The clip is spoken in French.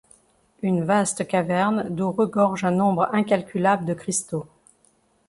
Une vaste caverne d'où regorge un nombre incalculable de cristaux.